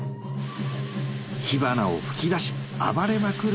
火花をふき出し暴れまくる